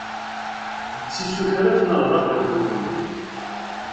D tisukraf naɣ d aqerdun.